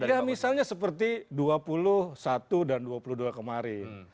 ya misalnya seperti dua puluh satu dan dua puluh dua kemarin